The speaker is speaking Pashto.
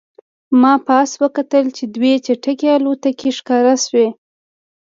ما پاس وکتل چې دوې چټکې الوتکې ښکاره شوې